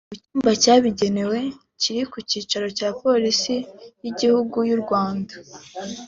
mu cyumba cyabigenewe kiri ku cyicaro cya Polisi y’Igihugu y’u Rwanda